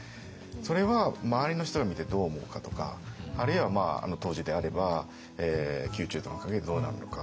それは周りの人が見てどう思うかとかあるいはあの当時であれば宮中との関係でどうなるのか。